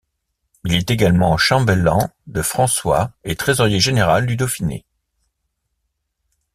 Il est également chambellan de François et trésorier général du Dauphiné.